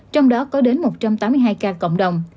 trong đó có đến một trăm tám mươi hai ca cộng đồng